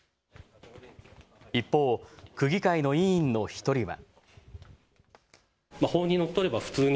一方、区議会の委員の１人は。